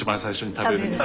食べる。